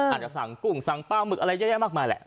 อาจจะสั่งกุ้งสั่งปลาหมึกอะไรเยอะแยะมากมายแหละ